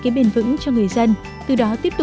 đấy bạn cảm giác là